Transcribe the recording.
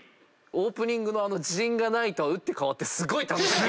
オープニングの自信がないとは打って変わって。